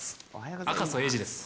赤楚衛二です。